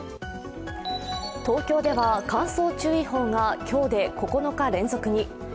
東京では乾燥注意報が今日で９日連続に。